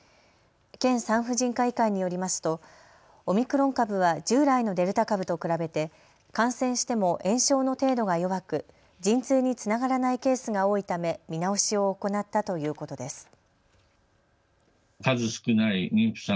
県産婦人科医会によりますとオミクロン株は従来のデルタ株と比べて感染しても炎症の程度が弱く陣痛につながらないケースが多いため見直しを行ったということです。